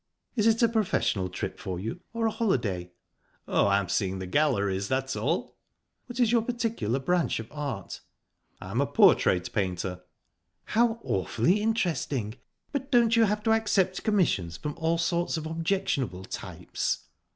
"Is it a professional trip for you, or a holiday?" "Oh, I'm seeing the galleries, that's all." "What is your particular branch of art?" "I'm a portrait painter." "How awfully interesting! But don't you have to accept commissions from all sorts of objectionable types?"